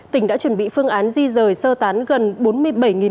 tỉnh đã chuẩn bị phương án di rời sơ tán gần bốn tàu thuyền